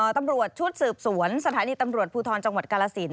ตำรวจชุดสืบสวนสถานีตำรวจภูทรจังหวัดกาลสิน